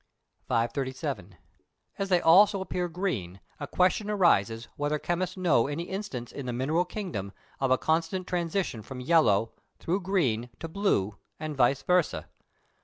537. As they also appear green, a question arises whether chemists know any instance in the mineral kingdom of a constant transition from yellow, through green, to blue, and vice versâ.